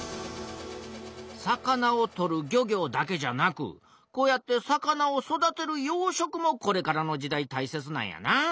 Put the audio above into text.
魚を取る漁業だけじゃなくこうやって魚を育てる養殖もこれからの時代たいせつなんやなあ。